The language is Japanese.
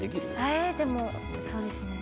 えでもそうですね。